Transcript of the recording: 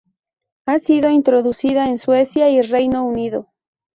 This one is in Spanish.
Ha sido introducida en Suecia y Reino Unido.